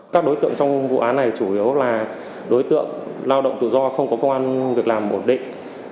các đối tượng trong vụ án này chủ yếu là đối tượng lao động tự do không có công an việc làm ổn định